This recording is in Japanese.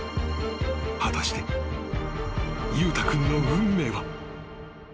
［果たして裕太君の運命は］